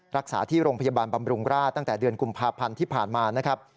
รักษาที่โรงพยาบาลบำรุงราชตั้งแต่เดือนกุมภาพันธ์ที่ผ่านมานะครับ